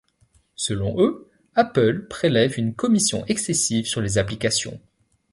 Selon eux, Apple prélève une commission excessive sur les applications.